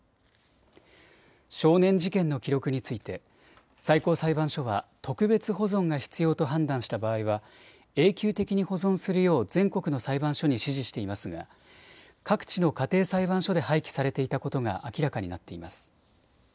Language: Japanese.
少年事件の記録について最高裁判所は特別保存が必要と判断した場合は永久的に保存するよう全国の裁判所に指示していますが各地の家庭裁判所で廃棄されていたことが明らかになっています。